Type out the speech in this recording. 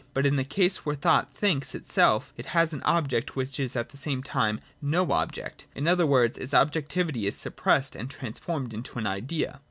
But in the case where thought thinks itself, it has an object which is at the same time no object : in other words, its objectivity is suppressed and transformed into an idea.